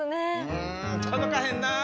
うん届かへんなぁ！